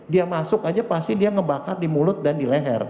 dia masuk aja pasti dia ngebakar di mulut dan di leher